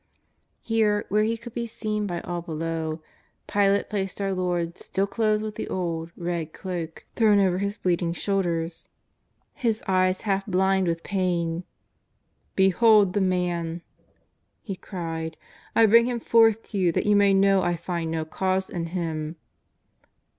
Here, where He could be seen by all below, Pilate placed our Lord, still clothed with the old, red cloak, thrown over 354: JESUS OF NAZAEETH. His bleeding shoulders, His eyes half blind with pain. "' Behold the Man !" he cried. " I bring Ilim forth to yon that you may know I find no cause in Him.''